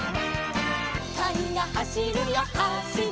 「かにがはしるよはしる」